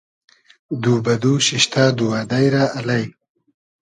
دو بۂ دو شیشتۂ دووئدݷ رۂ الݷ